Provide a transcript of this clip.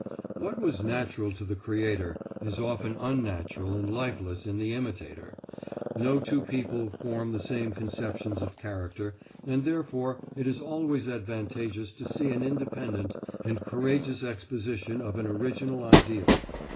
What was natural to the creator is often unnatural and lifeless in the imitator. No two people form the same conceptions of character, and therefore it is always advantageous to see an independent and courageous exposition of an original ideal.